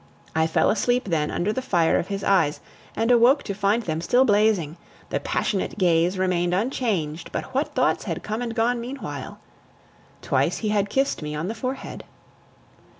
I fell asleep then under the fire of his eyes, and awoke to find them still blazing; the passionate gaze remained unchanged, but what thoughts had come and gone meanwhile! Twice he had kissed me on the forehead.